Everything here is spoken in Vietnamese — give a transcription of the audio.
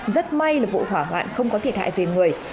rất may là vụ hỏa hoạn không có thiệt hại về người